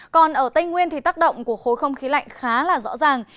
còn ở tây nguyên thì tác động của khối không khí lạnh khá là rõ ràng